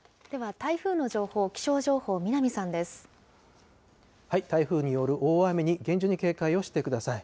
台風による大雨に厳重に警戒をしてください。